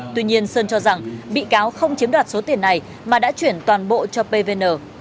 tuy nhiên sơn cho rằng bị cáo không chiếm đoạt số tiền này mà đã chuyển toàn bộ cho pvn